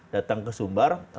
datang ke sumbar